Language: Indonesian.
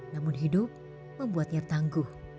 namun hidup membuatnya tangguh